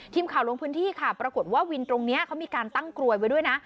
ทีมข่าวลงพื้นที่ค่ะปรากฏว่าวินตรงนี้เขามีการตั้งกลวยไว้ด้วยนะ